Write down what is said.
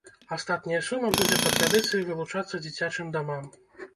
Астатняя сума будзе па традыцыі вылучацца дзіцячым дамам.